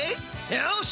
よし！